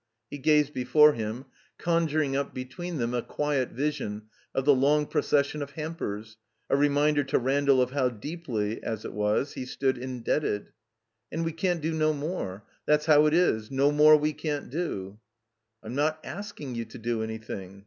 « He gazed before him, conjuring up between them a quiet vision of the long procession of hampers, a reminder to Randall of how deeply, as it was, he stood indebted. "And we can't do no more. That's how it is. No more we can't do." "I'm not asking you to do anything.